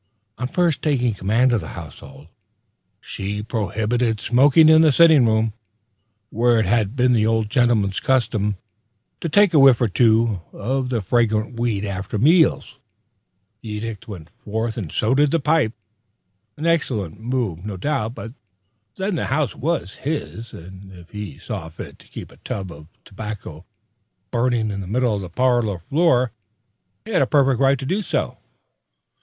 On first taking command of the household, she prohibited smoking in the sitting room, where it had been the old gentleman's custom to take a whiff or two of the fragrant weed after meals. The edict went forth and so did the pipe. An excellent move, no doubt; but then the house was his, and if he saw fit to keep a tub of tobacco burning in the middle of the parlor floor, he had a perfect right to do so.